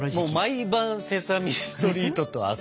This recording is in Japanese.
毎晩「セサミストリート」と遊ぶみたいな。